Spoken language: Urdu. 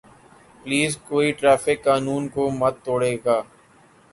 پلیز کوئی ٹریفک قانون کو مت توڑئے گا